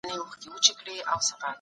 کاردستي د ماشومانو په ژوند کې اهمیت لري.